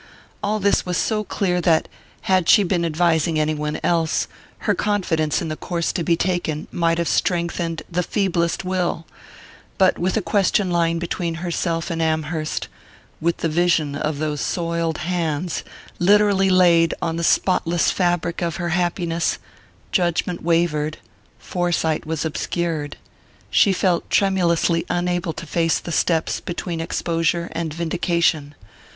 All this was so clear that, had she been advising any one else, her confidence in the course to be taken might have strengthened the feeblest will; but with the question lying between herself and Amherst with the vision of those soiled hands literally laid on the spotless fabric of her happiness, judgment wavered, foresight was obscured she felt tremulously unable to face the steps between exposure and vindication.